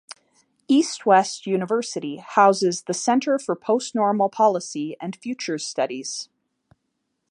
East-West University houses The Centre for Postnormal Policy and Futures Studies.